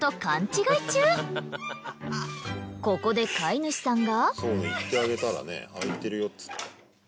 ここで飼い主さんが。